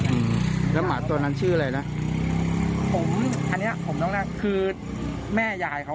อืมแล้วหมาตัวนั้นชื่ออะไรนะผมอันเนี้ยผมต้องนั่งคือแม่ยายเขา